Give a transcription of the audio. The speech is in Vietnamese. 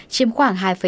chiếm khoảng hai bốn